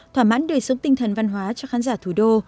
thỏa mãn đời sống tinh thần văn hóa cho khán giả thủ đô